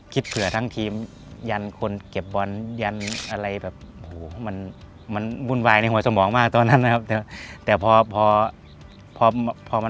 คิดเผื่อทั้งทีมยันคนเก็บบอลยันอะไรแบบมันมุ่นวายในหัวสมองมากตอนนั้นนะครับ